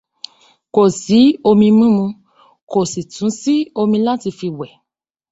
Kò sí omi mímu, kò sì tún sí omi láti fi wẹ̀ náà.